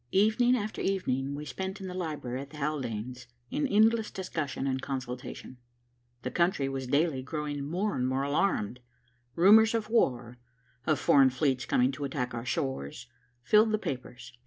Evening after evening we spent in the library at the Haldanes', in endless discussion and consultation. The country was daily growing more and more alarmed. Rumors of war, of foreign fleets coming to attack our shores, filled the papers.